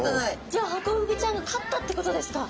じゃあハコフグちゃんが勝ったってことですか？